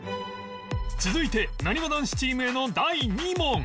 続いてなにわ男子チームへの第２問